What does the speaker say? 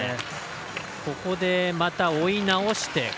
ここでまた、追い直して。